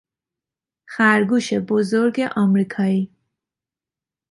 خرگوش بزرگ امریکایی